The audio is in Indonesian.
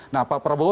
nah pak prabowo